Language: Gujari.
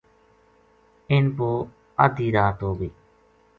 اِنھ پو اَدھی رات ہو گئی